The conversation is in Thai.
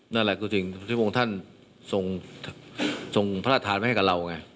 นั่นแหละคือสิ่งที่วงท่านทรงทรงพระธานไว้ให้กับเราไง